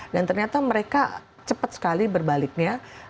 ternyata mereka cepat sekali berbaliknya